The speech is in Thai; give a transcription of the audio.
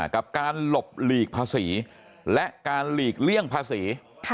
กับการหลบหลีกภาษีและการหลีกเลี่ยงภาษี